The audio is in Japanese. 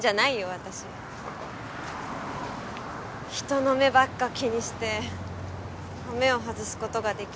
私人の目ばっか気にしてハメを外すことができない